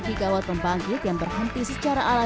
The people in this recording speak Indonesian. sehingga kemungkinan untuk membangun strategi baru adalah